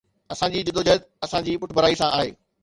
اسان جي جدوجهد اسان جي پٺڀرائي سان آهي.